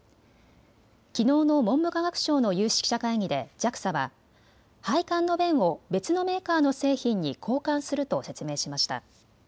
きのうの文部科学省の有識者会議でＪＡＸＡは配管の弁を別のメーカーの製品に交換すると説明しました。